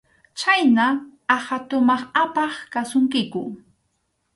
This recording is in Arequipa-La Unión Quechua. Chhayna aqha tumaq apaq kasunkiku.